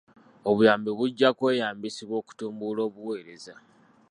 Obuyambi bujja kweyambisibwa okutumbula obuweereza.